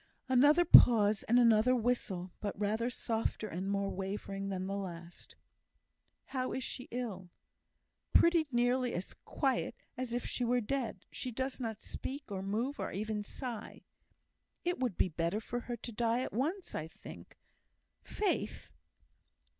Another pause and another whistle, but rather softer and more wavering than the last. "How is she ill?" "Pretty nearly as quiet as if she were dead. She does not speak, or move, or even sigh." "It would be better for her to die at once, I think." "Faith!"